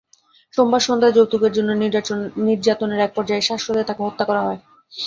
সোমবার সন্ধ্যায় যৌতুকের জন্য নির্যাতনের একপর্যায়ে শ্বাসরোধে তাঁকে হত্যা করা হয়।